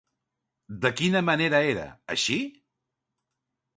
De quina manera era, així?